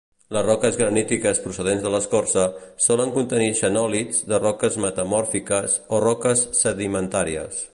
Les roques granítiques procedents de l'escorça, solen contenir xenòlits de roques metamòrfiques o roques sedimentàries.